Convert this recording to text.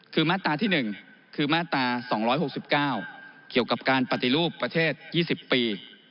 คือมาตราที่๑คือมาตรา๒๖๙เกี่ยวกับการปฏิรูปประเทศ๒๐ปี